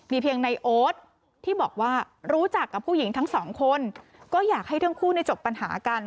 เพียงในโอ๊ตที่บอกว่ารู้จักกับผู้หญิงทั้งสองคนก็อยากให้ทั้งคู่จบปัญหากัน